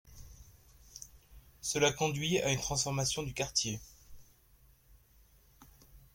Cela conduisit à une transformation du quartier.